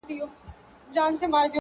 o هم ئې سکڼي، هم ئې رغوي٫